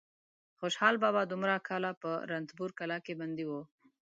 خوشحال بابا دومره کاله په رنتبور کلا کې بندي و.